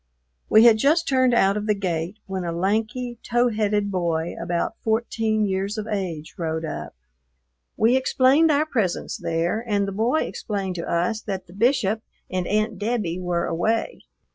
We had just turned out of the gate when a lanky, tow headed boy about fourteen years of age rode up. We explained our presence there, and the boy explained to us that the Bishop and Aunt Debbie were away.